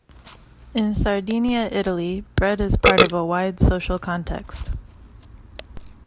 In Sardinia, Italy, bread is a part of a wide social context.